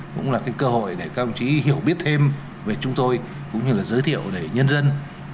cũng là cái cơ hội để các ông chí hiểu biết thêm về chúng tôi cũng như là giới thiệu để nhân dân